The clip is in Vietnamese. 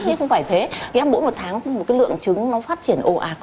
nhưng không phải thế nghĩa là mỗi một tháng một cái lượng trứng nó phát triển ồ ạt